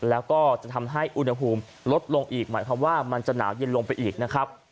แล้วก็จะทำให้อุณหภูมิลดลงอีกหมายความว่ามันจะหนาวเย็นลงไปอีกนะครับ